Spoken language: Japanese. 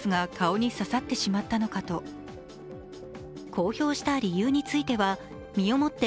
公表した理由については、身をもって